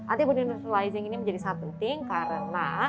antibody nervolizing ini menjadi sangat penting karena